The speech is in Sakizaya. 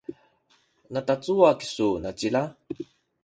natacuwa kisu nacila?